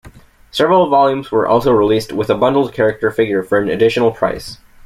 Several volumes were also released with a bundled character figure for an additional price.